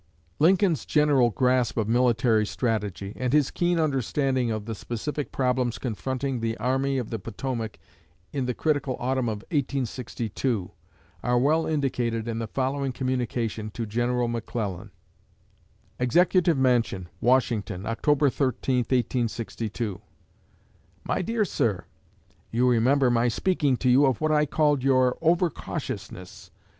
Lincoln's general grasp of military strategy, and his keen understanding of the specific problems confronting the Army of the Potomac in the critical autumn of 1862, are well indicated in the following communication to General McClellan: EXECUTIVE MANSION, WASHINGTON, October 13, 1862 MY DEAR SIR: You remember my speaking to you of what I called your over cautiousness.